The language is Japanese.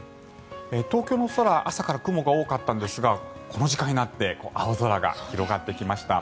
東京の空、朝から雲が多かったんですがこの時間になって青空が広がってきました。